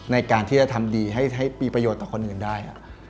ในการที่จะทำดีให้มีประโยชน์ต่อคนอื่นได้